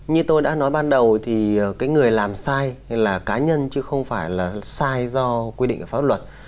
như tôi đã nói ban đầu thì cái người làm sai là cá nhân chứ không phải là sai do quy định của pháp luật